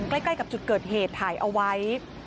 ใกล้กับจุดเกิดเหตุถ่ายเอาไว้